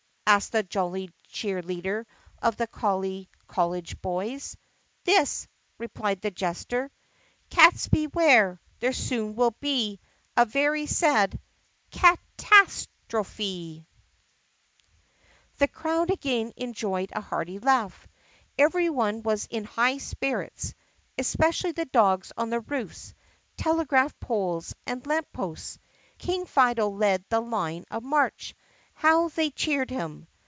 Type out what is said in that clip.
asked the jolly cheer leader of the Collie College Boys. "This!" replied the jester: "Cats, beware! There soon will be A very sad Gz/astrophe !" 1 18 THE PUSSYCAT PRINCESS The crowd again enjoyed a hearty laugh. Every one was in high spirits (especially the dogs on the roofs, telegraph poles, and lamp posts). King Fido led the line of march. How they cheered him!